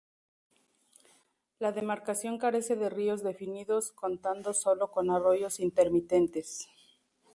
La demarcación carece de ríos definidos, contando solo con arroyos intermitentes.